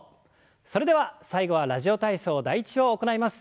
それでは最後は「ラジオ体操第１」を行います。